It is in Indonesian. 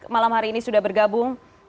malam hari ini sudah bergabung